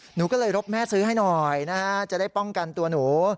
หนูก็เลยรบแม่ซื้อให้หน่อยนะฮะจะได้ป้องกันตัวหนู